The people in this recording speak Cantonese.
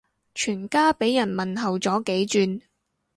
全家俾人問候咗幾轉